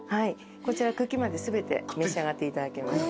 こちら茎まで全て召し上がっていただけます。